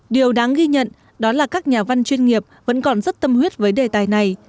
điều đáng ghi nhận đó là các nhà văn chuyên nghiệp vẫn còn rất tâm huyết với đề tài này